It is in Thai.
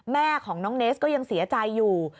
แม่ของน้องเนสก็ยังเสียใจอยู่